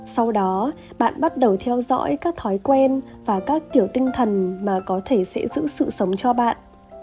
sau đó bạn bắt đầu theo dõi các thói quen và các kiểu tinh thần mà có thể sẽ giữ sự sống cho bạn